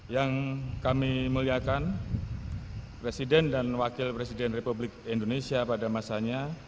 yang kami muliakan presiden dan wakil presiden republik indonesia pada masanya